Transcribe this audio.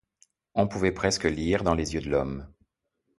On pouvait presque lire dans les yeux de l'homme.